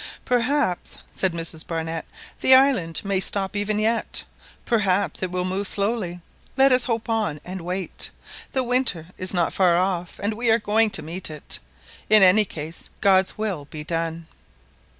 "Perhaps," said Mrs Barnett, "the island may stop even yet. Perhaps it will move slowly. Let us hope on ... and wait! The winter is not far off, and we are going to meet it. In any case God's will be done!"